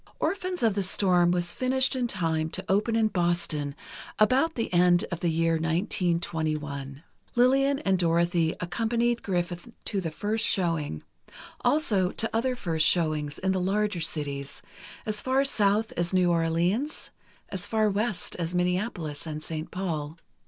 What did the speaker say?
"Orphans of the Storm" was finished in time to open in Boston about the end of the year 1921. Lillian and Dorothy accompanied Griffith to the first showing; also, to other first showings in the larger cities—as far South as New Orleans, as far West as Minneapolis and St. Paul.